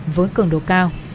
với cường độ cao